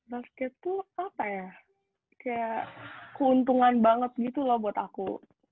basket tuh apa ya kayak keuntungan banget gitu loh buat aku